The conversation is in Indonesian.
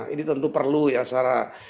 ini tentu perlu ya secara